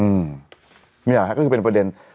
อืมเนี่ยฮะก็คือเป็นประเด็น